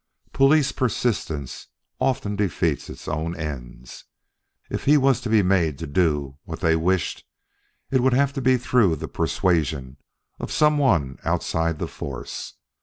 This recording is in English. Police persistence often defeats its own ends. If he was to be made to do what they wished, it would have to be through the persuasion of some one outside the Force.